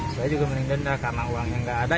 saya juga mending denda karena uangnya nggak ada